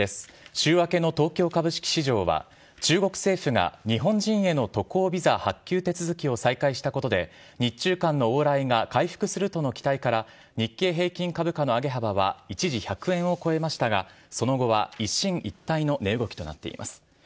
週明けの東京株式市場は、中国政府が日本人への渡航ビザ発給手続きを再開したことで、日中間の往来が回復するとの期待から、日経平均株価の上げ幅は一時１００円を超えましたが、その後は一進一退の値動きとなっています。